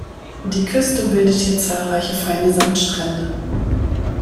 Die Küste bildet hier zahlreiche feine Sandstrände.